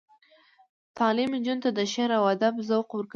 تعلیم نجونو ته د شعر او ادب ذوق ورکوي.